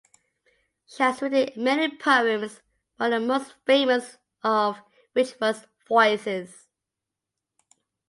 She has written many poems, one of the most famous of which was 'Voices'.